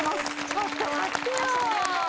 ちょっと待ってよ。